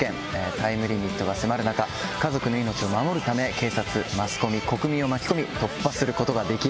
タイムリミットが迫る中家族の命を守るため警察マスコミ国民を巻き込み突破することができるのか。